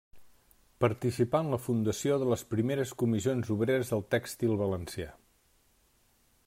Participà en la fundació de les primeres Comissions Obreres del tèxtil valencià.